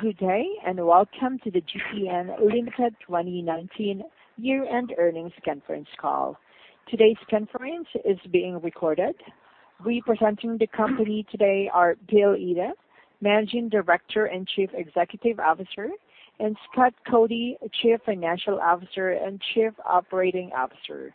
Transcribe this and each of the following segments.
Good day. Welcome to the GTN Limited 2019 year-end earnings conference call. Today's conference is being recorded. Representing the company today are Bill Yde, Managing Director and Chief Executive Officer, and Scott Cody, Chief Financial Officer and Chief Operating Officer.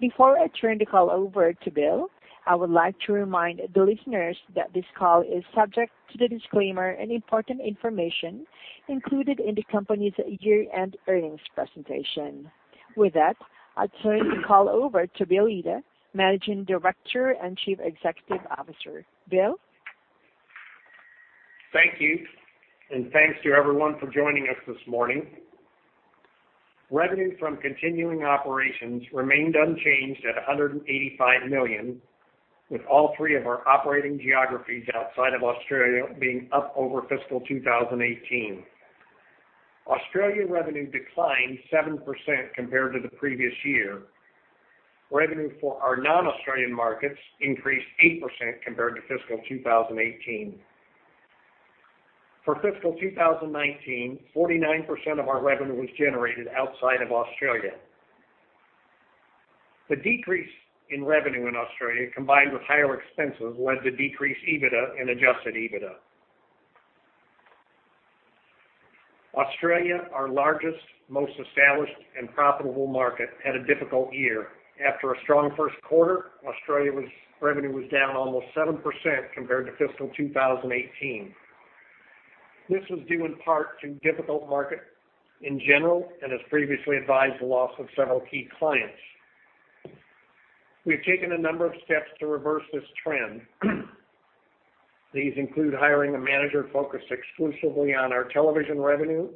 Before I turn the call over to Bill, I would like to remind the listeners that this call is subject to the disclaimer and important information included in the company's year-end earnings presentation. With that, I turn the call over to Bill Yde, Managing Director and Chief Executive Officer. Bill? Thank you, thanks to everyone for joining us this morning. Revenue from continuing operations remained unchanged at 185 million, with all three of our operating geographies outside of Australia being up over fiscal 2018. Australia revenue declined 7% compared to the previous year. Revenue for our non-Australian markets increased 8% compared to fiscal 2018. For fiscal 2019, 49% of our revenue was generated outside of Australia. The decrease in revenue in Australia, combined with higher expenses, led to decreased EBITDA and adjusted EBITDA. Australia, our largest, most established, and profitable market, had a difficult year. After a strong first quarter, Australia revenue was down almost 7% compared to fiscal 2018. This was due in part to difficult market in general, and as previously advised, the loss of several key clients. We've taken a number of steps to reverse this trend. These include hiring a Manager focused exclusively on our television revenue,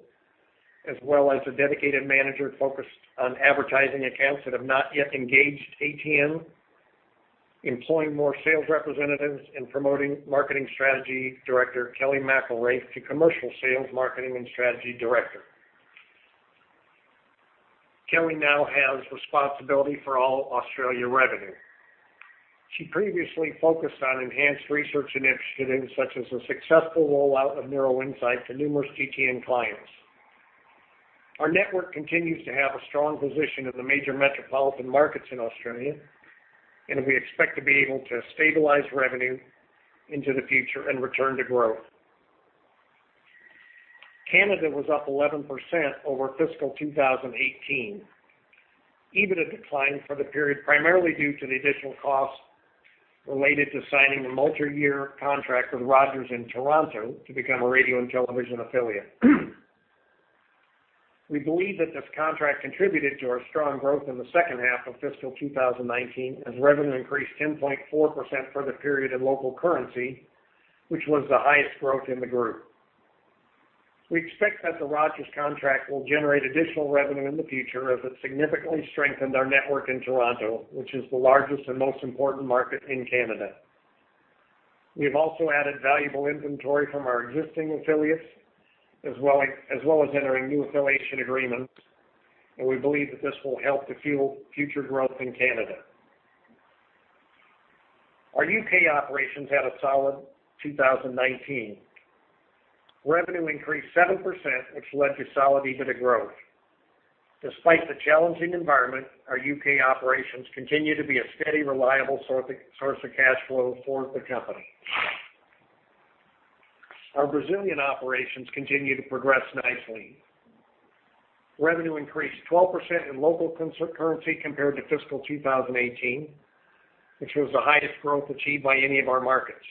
as well as a dedicated Manager focused on advertising accounts that have not yet engaged ATN, employing more sales representatives, and promoting Marketing Strategy Director Kelly Mcllwraith to Commercial Sales, Marketing, and Strategy Director. Kelly now has responsibility for all Australia revenue. She previously focused on enhanced research initiatives such as the successful rollout of Neuro-Insight to numerous GTN clients. Our network continues to have a strong position in the major metropolitan markets in Australia, and we expect to be able to stabilize revenue into the future and return to growth. Canada was up 11% over fiscal 2018. EBITDA declined for the period, primarily due to the additional costs related to signing a multi-year contract with Rogers in Toronto to become a radio and television affiliate. We believe that this contract contributed to our strong growth in the second half of fiscal 2019, as revenue increased 10.4% for the period in local currency, which was the highest growth in the group. We expect that the Rogers contract will generate additional revenue in the future, as it significantly strengthened our network in Toronto, which is the largest and most important market in Canada. We've also added valuable inventory from our existing affiliates, as well as entering new affiliation agreements, and we believe that this will help to fuel future growth in Canada. Our U.K. operations had a solid 2019. Revenue increased 7%, which led to solid EBITDA growth. Despite the challenging environment, our U.K. operations continue to be a steady, reliable source of cash flow for the company. Our Brazilian operations continue to progress nicely. Revenue increased 12% in local currency compared to fiscal 2018, which was the highest growth achieved by any of our markets.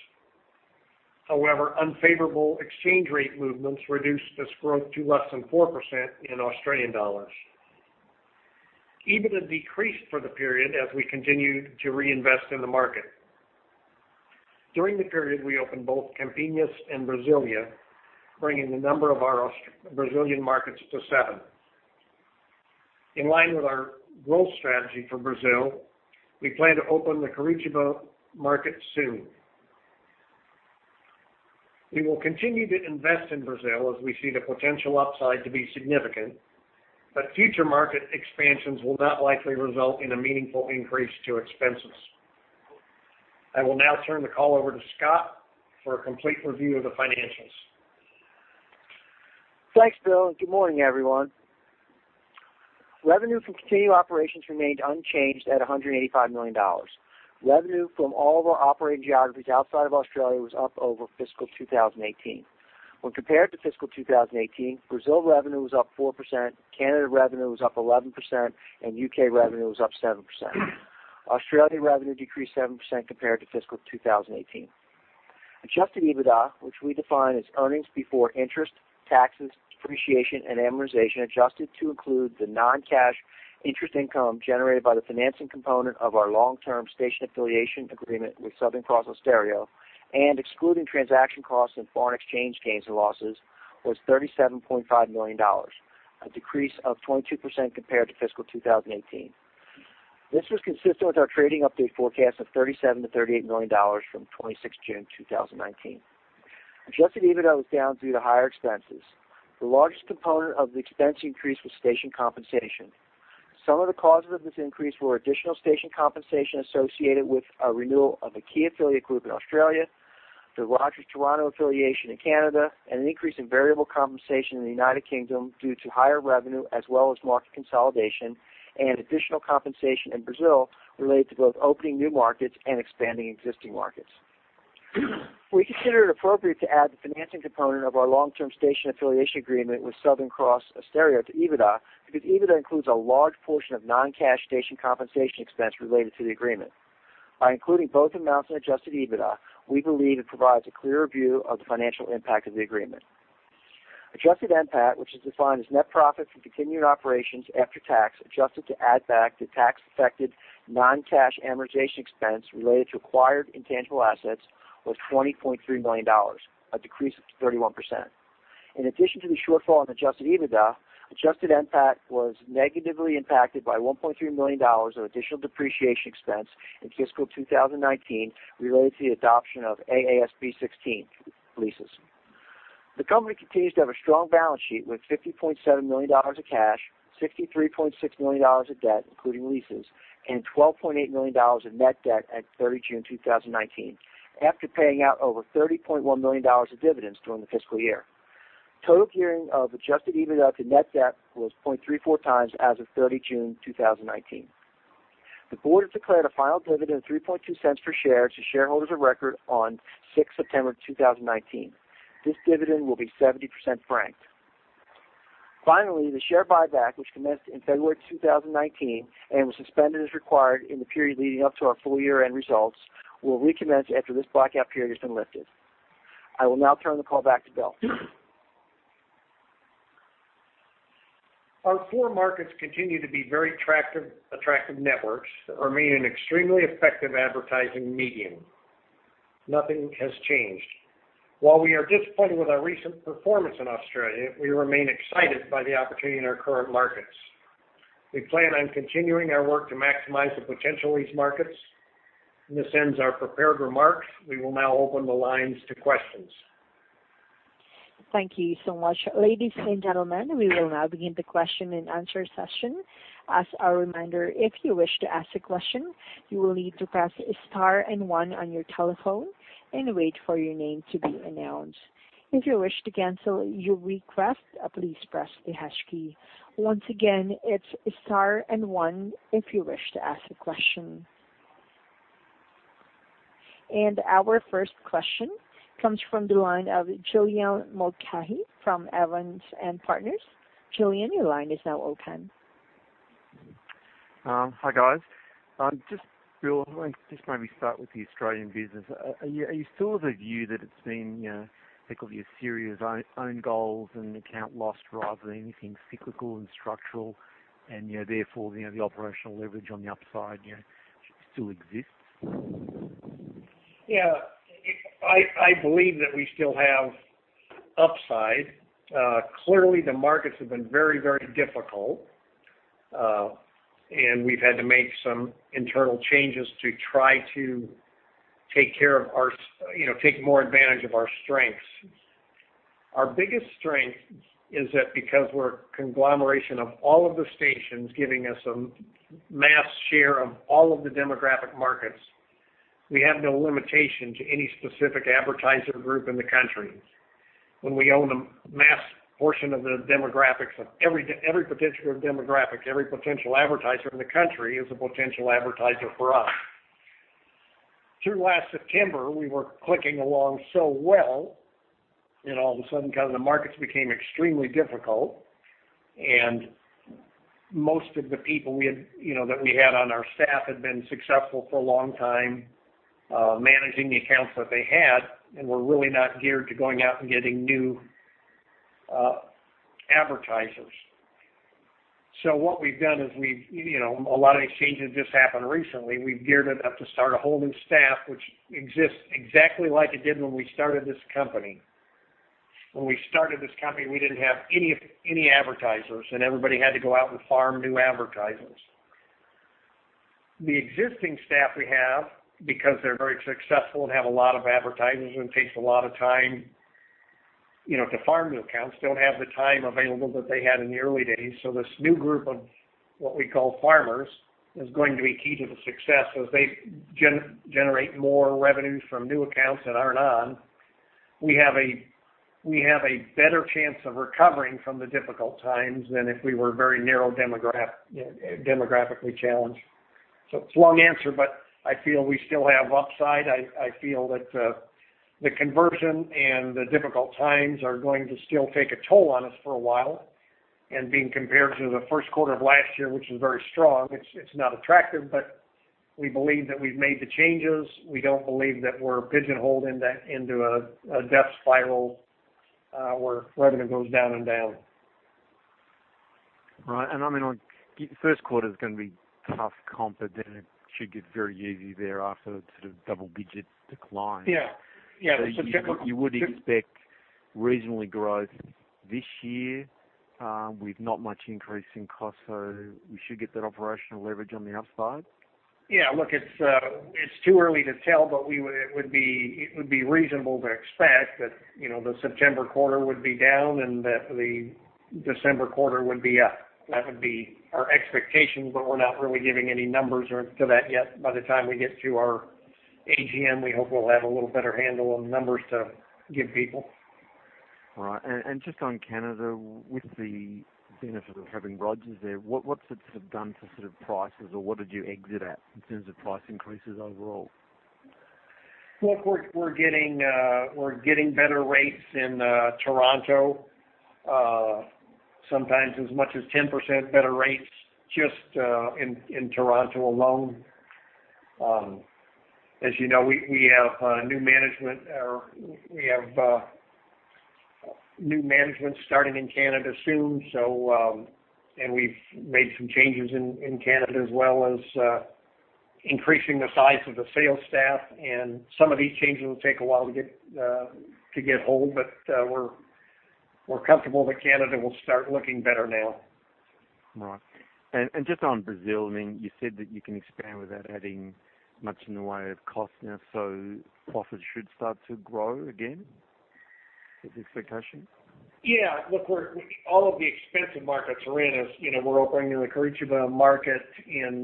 Unfavorable exchange rate movements reduced this growth to less than 4% in Australian dollars. EBITDA decreased for the period as we continued to reinvest in the market. During the period, we opened both Campinas and Brasilia, bringing the number of our Brazilian markets to seven. In line with our growth strategy for Brazil, we plan to open the Curitiba market soon. We will continue to invest in Brazil as we see the potential upside to be significant, but future market expansions will not likely result in a meaningful increase to expenses. I will now turn the call over to Scott for a complete review of the financials. Thanks, Bill. Good morning, everyone. Revenue from continued operations remained unchanged at 185 million dollars. Revenue from all of our operating geographies outside of Australia was up over fiscal 2018. When compared to fiscal 2018, Brazil revenue was up 4%, Canada revenue was up 11%, and U.K. revenue was up 7%. Australia revenue decreased 7% compared to fiscal 2018. Adjusted EBITDA, which we define as earnings before interest, taxes, depreciation, and amortization, adjusted to include the non-cash interest income generated by the financing component of our long-term station affiliation agreement with Southern Cross Austereo, and excluding transaction costs and foreign exchange gains and losses, was 37.5 million dollars, a decrease of 22% compared to fiscal 2018. This was consistent with our trading update forecast of 37 million-38 million dollars from 26 June 2019. Adjusted EBITDA was down due to higher expenses. The largest component of the expense increase was station compensation. Some of the causes of this increase were additional station compensation associated with a renewal of a key affiliate group in Australia, the Rogers Toronto affiliation in Canada, and an increase in variable compensation in the United Kingdom due to higher revenue, as well as market consolidation and additional compensation in Brazil related to both opening new markets and expanding existing markets. We consider it appropriate to add the financing component of our long-term station affiliation agreement with Southern Cross Austereo to EBITDA, because EBITDA includes a large portion of non-cash station compensation expense related to the agreement. By including both amounts in adjusted EBITDA, we believe it provides a clearer view of the financial impact of the agreement. Adjusted NPAT, which is defined as net profit from continuing operations after tax, adjusted to add back the tax affected non-cash amortization expense related to acquired intangible assets, was 20.3 million dollars, a decrease of 31%. In addition to the shortfall in adjusted EBITDA, adjusted NPAT was negatively impacted by 1.3 million dollars of additional depreciation expense in fiscal 2019 related to the adoption of AASB 16 leases. The company continues to have a strong balance sheet with 50.7 million dollars of cash, 63.6 million dollars of debt, including leases, and 12.8 million dollars of net debt at 30 June 2019, after paying out over 30.1 million dollars of dividends during the fiscal year. Total gearing of adjusted EBITDA to net debt was 0.34 times as of 30 June 2019. The board has declared a final dividend of 0.032 per share to shareholders of record on 6 September 2019. This dividend will be 70% franked. The share buyback, which commenced in February 2019 and was suspended as required in the period leading up to our full year-end results, will recommence after this blackout period has been lifted. I will now turn the call back to Bill. Our core markets continue to be very attractive networks that remain an extremely effective advertising medium. Nothing has changed. While we are disappointed with our recent performance in Australia, we remain excited by the opportunity in our current markets. We plan on continuing our work to maximize the potential of these markets. This ends our prepared remarks. We will now open the lines to questions. Thank you so much. Ladies and gentlemen, we will now begin the question and answer session. As a reminder, if you wish to ask a question, you will need to press star and one on your telephone and wait for your name to be announced. If you wish to cancel your request, please press the hash key. Once again, it's star and one if you wish to ask a question. Our first question comes from the line of Julian Mulcahy from Evans and Partners. Julian, your line is now open. Hi, guys. Just, Bill, I want to just maybe start with the Australian business. Are you still of the view that it's been a series of own goals and account loss rather than anything cyclical and structural and therefore the operational leverage on the upside should still exist? Yeah. I believe that we still have upside. Clearly, the markets have been very, very difficult. We've had to make some internal changes to try to take more advantage of our strengths. Our biggest strength is that because we're a conglomeration of all of the stations giving us a mass share of all of the demographic markets, we have no limitation to any specific advertiser group in the country. When we own a mass portion of the demographics of every potential demographic, every potential advertiser in the country is a potential advertiser for us. Through last September, we were clicking along so well, and all of a sudden, the markets became extremely difficult. Most of the people that we had on our staff had been successful for a long time, managing the accounts that they had and were really not geared to going out and getting new advertisers. What we've done is a lot of these changes just happened recently. We've geared it up to start a whole new staff, which exists exactly like it did when we started this company. When we started this company, we didn't have any advertisers, and everybody had to go out and farm new advertisers. The existing staff we have, because they're very successful and have a lot of advertisers and takes a lot of time to farm new accounts, don't have the time available that they had in the early days. This new group of what we call farmers is going to be key to the success as they generate more revenues from new accounts that aren't on. We have a better chance of recovering from the difficult times than if we were very narrow demographically challenged. It's a long answer, but I feel we still have upside. I feel that the conversion and the difficult times are going to still take a toll on us for a while, and being compared to the first quarter of last year, which was very strong, it's not attractive, but we believe that we've made the changes. We don't believe that we're pigeonholed into a death spiral where revenue goes down and down. Right. I mean, on first quarter's going to be tough comp, it should get very easy thereafter, sort of double-digit decline. Yeah. You would expect reasonable growth this year with not much increase in cost, so we should get that operational leverage on the upside? Yeah. Look, it's too early to tell. It would be reasonable to expect that the September quarter would be down and that the December quarter would be up. That would be our expectation. We're not really giving any numbers to that yet. By the time we get to our AGM, we hope we'll have a little better handle on numbers to give people. All right. Just on Canada, with the benefit of having Rogers there, what's it done to prices, or what did you exit at in terms of price increases overall? Look, we're getting better rates in Toronto. Sometimes as much as 10% better rates just in Toronto alone. As you know, we have new management starting in Canada soon. We've made some changes in Canada as well as increasing the size of the sales staff. Some of these changes will take a while to get hold, but we're comfortable that Canada will start looking better now. Right. Just on Brazil, you said that you can expand without adding much in the way of cost now, so profits should start to grow again as the expectation? Yeah. Look, all of the expensive markets we're in. We're opening in the Curitiba market in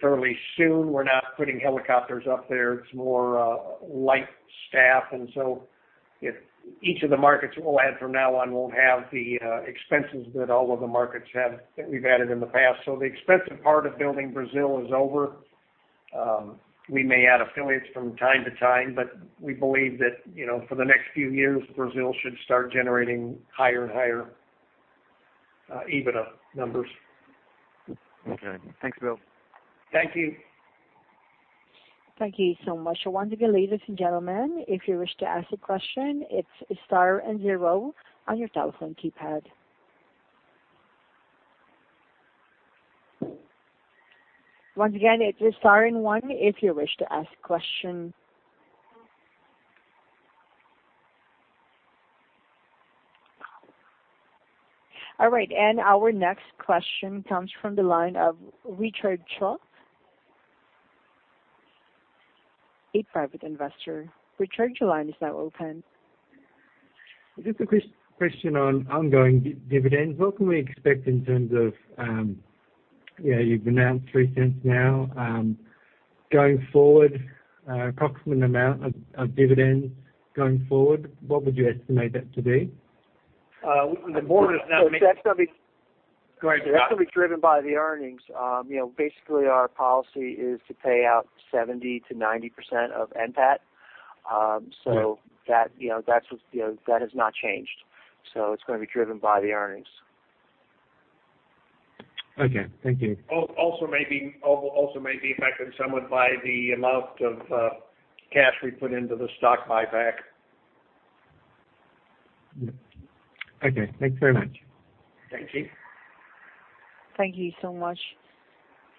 fairly soon. We're not putting helicopters up there. It's more light staff. Each of the markets we'll add from now on won't have the expenses that all of the markets have that we've added in the past. The expensive part of building Brazil is over. We may add affiliates from time to time, but we believe that for the next few years, Brazil should start generating higher and higher EBITDA numbers. Okay. Thanks, Bill. Thank you. Thank you so much. Once again, ladies and gentlemen, if you wish to ask a question, it's star and zero on your telephone keypad. Once again, it is star and one if you wish to ask question. All right, our next question comes from the line of Richard Chu, a Private Investor. Richard, your line is now open. Just a question on ongoing dividends. What can we expect in terms of, you've announced 0.03 now. Going forward, approximate amount of dividends going forward, what would you estimate that to be? The board has not made. So that's gonna be- Go ahead, Scott. That's going to be driven by the earnings. Basically, our policy is to pay out 70%-90% of NPAT. Right. That has not changed. It's going to be driven by the earnings. Okay. Thank you. May be affected somewhat by the amount of cash we put into the stock buyback. Okay. Thanks very much. Thank you. Thank you so much.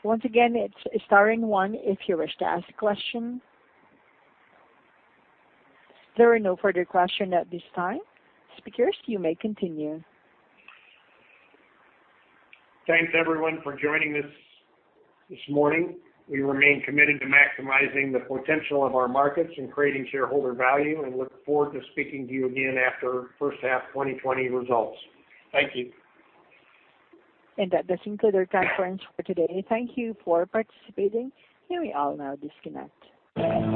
Once again, it's star and one if you wish to ask a question. There are no further question at this time. Speakers, you may continue. Thanks, everyone, for joining this morning. We remain committed to maximizing the potential of our markets and creating shareholder value, and look forward to speaking to you again after first half 2020 results. Thank you. That does conclude our conference for today. Thank you for participating. You may all now disconnect.